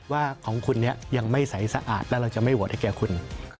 ว่าของคุณเนี่ยยังไม่ใสสะอาดแล้วเราจะไม่โหวตให้แก่คุณ